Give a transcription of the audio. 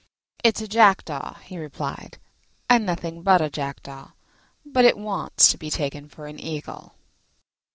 "It's a Jackdaw," he replied, "and nothing but a Jackdaw: but it wants to be taken for an Eagle."